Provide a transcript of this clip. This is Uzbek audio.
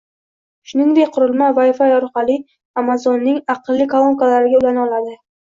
Shuningdek, qurilma Wi-Fi orqali Amazon’ning “aqlli” kolonkalariga ulana oladi